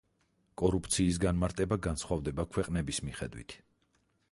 კორუფციის განმარტება განსხვავდება ქვეყნების მიხედვით.